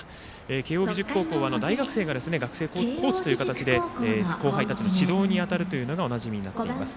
慶応義塾高校は大学生が学生コーチという形で後輩たちの指導に当たるというのがおなじみになっています。